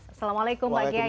assalamualaikum pak kiai